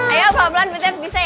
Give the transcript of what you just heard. ayo pelan pelan butet bisa ya